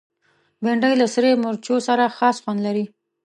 بېنډۍ له سرې مرچو سره خاص خوند لري